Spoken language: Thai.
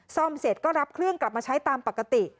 ซ่อมเสร็จก็รับเครื่องกลับมาใช้ตามปกติ